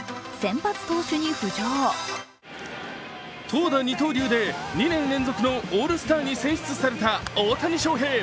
投打二刀流で２年連続のオールスターに選出された大谷翔平。